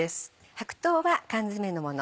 白桃は缶詰のもの